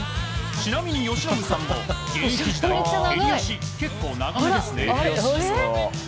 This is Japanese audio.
ちなみに由伸さんも現役時代襟足、結構長めですね。